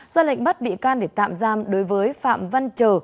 ra lệnh bắt bị can để tạm giam đối với phạm văn trờ